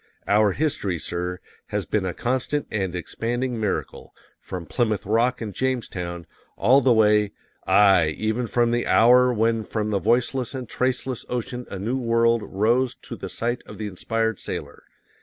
OUR HISTORY, SIR, has been a constant and expanding miracle, FROM PLYMOUTH ROCK AND JAMESTOWN, all the way aye, even from the hour when from the voiceless and traceless ocean a new world rose to the sight of the inspired sailor.